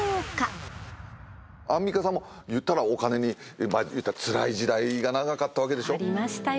アンミカさんも言ったらお金につらい時代が長かったわけでしょ？ありましたよ。